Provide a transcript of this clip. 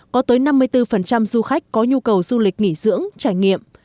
có tới năm mươi bốn du khách có nhu cầu du lịch nghỉ dưỡng trải nghiệm